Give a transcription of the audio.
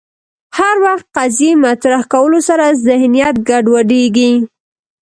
هر وخت قضیې مطرح کولو سره ذهنیت ګډوډېږي